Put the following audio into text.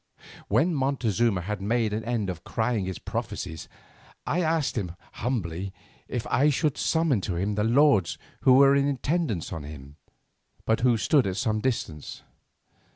When Montezuma had made an end of crying his prophecies, I asked him humbly if I should summon to him the lords who were in attendance on him, but who stood at some distance.